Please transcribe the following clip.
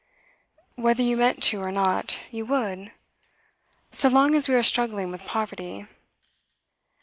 'Whether you meant to or not, you would so long as we are struggling with poverty.